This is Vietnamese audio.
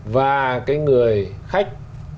và cái người khách